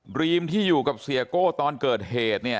รีมที่อยู่กับเสียโก้ตอนเกิดเหตุเนี่ย